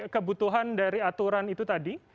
kebutuhan dari aturan itu tadi